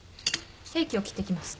ケーキを切ってきます。